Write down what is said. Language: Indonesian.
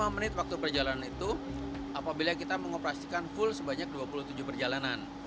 lima menit waktu perjalanan itu apabila kita mengoperasikan full sebanyak dua puluh tujuh perjalanan